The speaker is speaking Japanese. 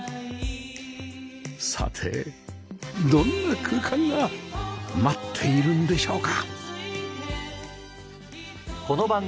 さてどんな空間が待っているんでしょうか？